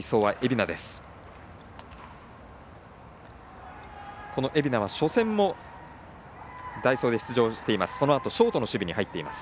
蝦名は初戦も代走で出場しています。